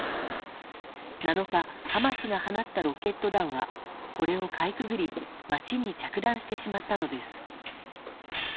７日、ハマスが放ったロケット弾はこれをかいくぐり街に着弾してしまったのです。